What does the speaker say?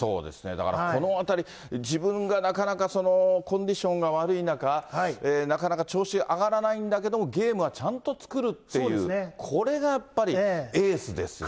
だからこのあたり、自分がなかなかコンディションが悪い中、なかなか調子上がらないんだけども、ゲームはちゃんと作るっていう、これがやっぱりエースですよね。